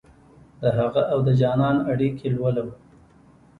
دهغه اودجانان اړیکې لولم